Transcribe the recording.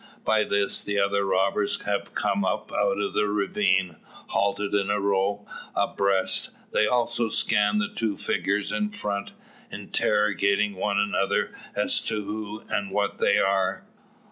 By this, the other robbers have come up out of the ravine. Halted in a row, abreast, they also scan the two figures in front, interrogating one another as to who and what they are.